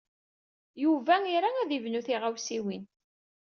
Yuba ira ad ibnu tiɣawsiwin.